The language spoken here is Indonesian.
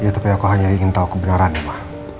ya tapi aku hanya ingin tahu kebenaran ma